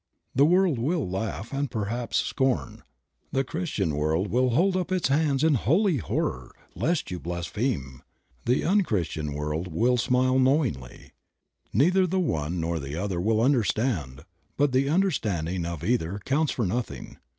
The world will laugh and perhaps scorn. The Christian world will hold up its hands in holy horror, lest you blaspheme ; the unchristian world will smile knowingly. Neither the one nor the other will understand, but the understanding of either counts for nothing.